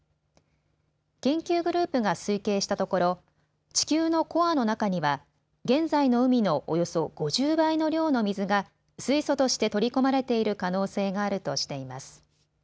研究グループが推計したところ地球のコアの中には現在の海のおよそ５０倍の量の水が水素として取り込まれている可能性があるとしています。